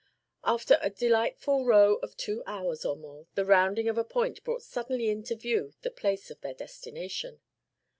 After a delightful row of two hours or more the rounding of a point brought suddenly into view the place of their destination.